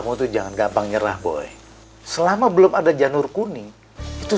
mas aku gak mau keluar dari rumah ini